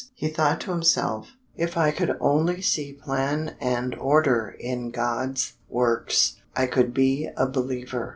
He thought to himself, "If I could only see plan and order in God's works, I could be a believer."